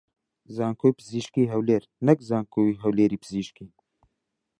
زانکۆی پزیشکیی هەولێر نەک زانکۆی هەولێری پزیشکی